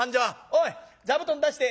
「おい座布団出して。